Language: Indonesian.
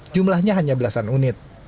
jumlahnya hanya belasan unit